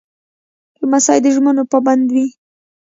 لمسی د ژمنو پابند وي.